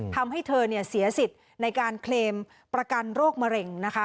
ทำให้เธอเสียสิทธิ์ในการเคลมประกันโรคมะเร็งนะคะ